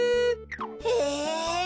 へえ。